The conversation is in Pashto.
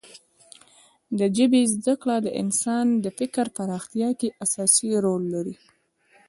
د ژبې زده کړه د انسان د فکر پراختیا کې اساسي رول لري.